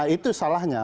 nah itu salahnya